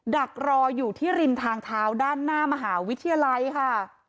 ดักรออยู่ที่ริมทางเท้าด้านหน้ามหาวิทยาลัยค่ะ